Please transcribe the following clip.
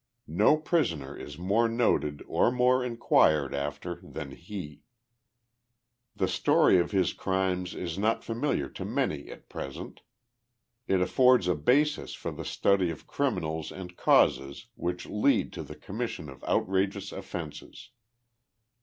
Xo prisoner is more noted or more inquired after than lie. The story ot his crimes is not familiar to many at present. It affords a basis for the study of criminals and causes which lead to the commission of outrageous offences.